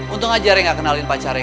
untung aja rey gak kenalin pacarnya